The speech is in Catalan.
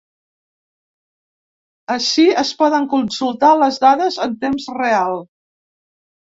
Ací es poden consultar les dades en temps real.